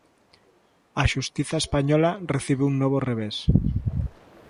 A xustiza española recibe un novo revés.